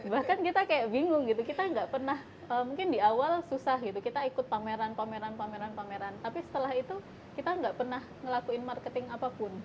bahkan kita kayak bingung gitu kita nggak pernah mungkin di awal susah gitu kita ikut pameran pameran pameran pameran tapi setelah itu kita nggak pernah ngelakuin marketing apapun